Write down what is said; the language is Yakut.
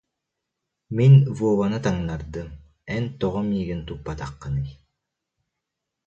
Мин Вованы таҥнардым, эн тоҕо миигин туппатаххыный